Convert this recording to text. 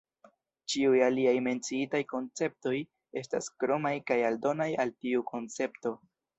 Ĉiuj aliaj menciitaj konceptoj estas kromaj kaj aldonaj al tiu koncepto.